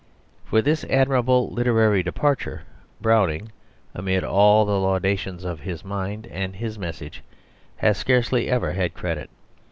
For this admirable literary departure Browning, amid all the laudations of his "mind" and his "message," has scarcely ever had credit.